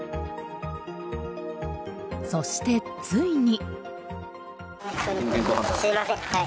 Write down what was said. そしてついに。